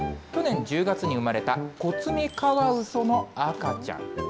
去年１０月に生まれた、コツメカワウソの赤ちゃん。